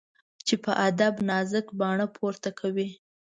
چي په ادب نازک باڼه پورته کوي